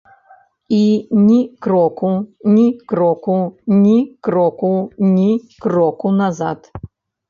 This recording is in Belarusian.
І ні кроку, ні кроку, ні кроку, ні кроку назад.